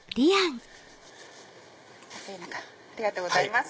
暑い中ありがとうございます。